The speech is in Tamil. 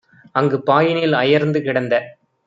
அங்குப் பாயினில் அயர்ந்து கிடந்த